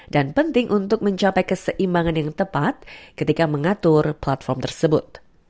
dan penting untuk mencapai keseimbangan yang tepat ketika mengatur platform tersebut